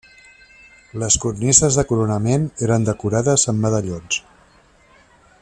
Les cornises de coronament eren decorades amb medallons.